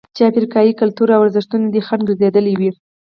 چې افریقايي کلتور او ارزښتونه دې خنډ ګرځېدلي وي.